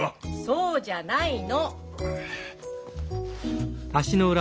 そうじゃないの！